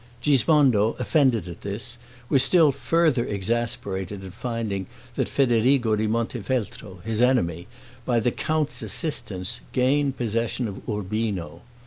Gismondo, offended at this, was still further exasperated at finding that Federigo di Montefeltro, his enemy, by the count's assistance, gained possession of Urbino.